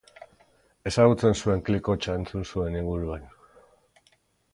Ezagutzen zuen klik-hotsa entzun zuen inguruan.